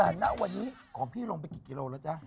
แต่ณวันนี้ของพี่ลงไปกี่กิโลแล้วจ๊ะ